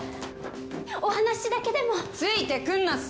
お話しだけでもついて来んなっす